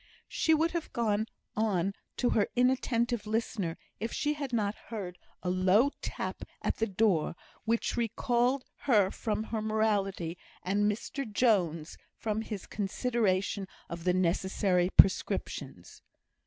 She would have gone on to her inattentive listener if she had not heard a low tap at the door, which recalled her from her morality, and Mr Jones from his consideration of the necessary prescriptions.